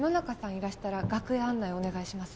いらしたら楽屋案内お願いします。